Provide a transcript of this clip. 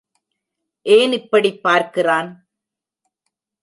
ஏன் இப்படிப் பார்க்கிறான்?